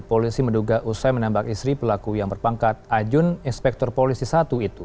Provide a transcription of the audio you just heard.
polisi menduga usai menembak istri pelaku yang berpangkat ajun inspektur polisi satu itu